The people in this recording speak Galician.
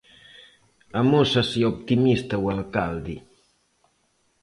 Amósase optimista o alcalde.